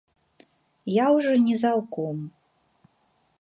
Я ўжо не заўком.